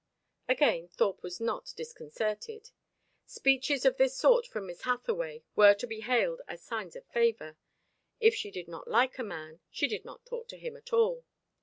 Again Thorpe was not disconcerted. Speeches of this sort from Miss Hathaway were to be hailed as signs of favour. If she did not like a man, she did not talk to him at all.